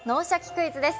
クイズ」です。